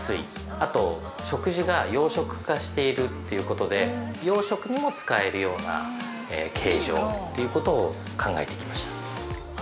あと、食事が洋食化しているということで、洋食にも使えるような形状ということを考えていきました。